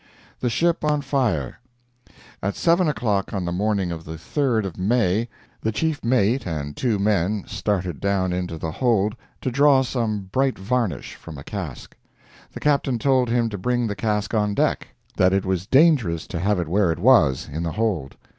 THE SHIP ON FIRE At seven o'clock on the morning of the 3d of May, the chief mate and two men started down into the hold to draw some "bright varnish" from a cask. The captain told him to bring the cask on deck—that it was dangerous to have it where it was, in the hold.